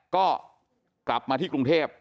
ก็กลับมาที่กรุงเทพ